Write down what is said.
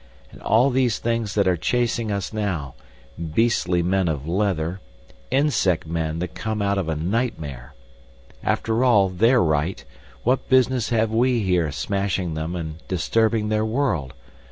And all these things that are chasing us now, beastly men of leather—insect men, that come out of a nightmare! After all, they're right! What business have we here smashing them and disturbing their world!